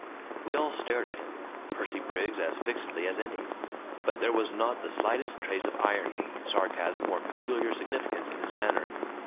We all stared at him, Percy Briggs as fixedly as any. But there was not the slightest trace of irony, sarcasm, or peculiar significance in his manner.